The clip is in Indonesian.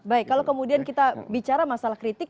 baik kalau kemudian kita bicara masalah kritik